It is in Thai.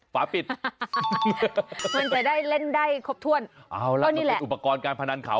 ฝาปิดมันจะได้เล่นได้ครบถ้วนเอาล่ะก็นี่เป็นอุปกรณ์การพนันเขา